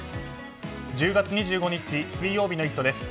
１０月２５日、水曜日の「イット！」です。